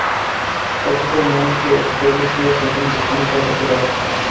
তথাপি মনকে প্রবোধ দিয়া থাকেন যে, কোনো প্রজাকে ডরাই না!